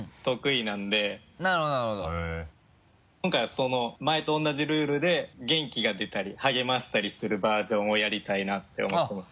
今回は前と同じルールで元気が出たり励ましたりするバージョンをやりたいなって思ってます。